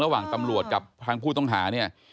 ระหว่างตำรวจกับทางผู้ต้องหาเนี่ย